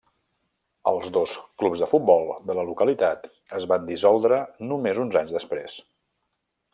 Els dos clubs de futbol de la localitat es van dissoldre només uns anys després.